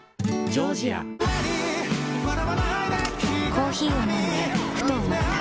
コーヒーを飲んでふと思った。